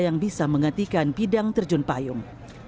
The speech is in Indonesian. yang bisa menggantikan bidang terjun payung